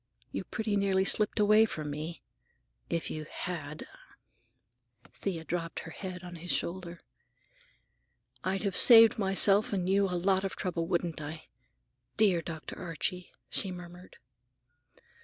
You pretty nearly slipped away from me. If you had—" Thea dropped her head on his shoulder. "I'd have saved myself and you a lot of trouble, wouldn't I? Dear Dr. Archie!" she murmured.